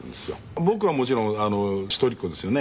僕はもちろん一人っ子ですよね。